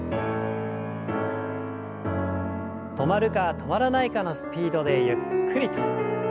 止まるか止まらないかのスピードでゆっくりと。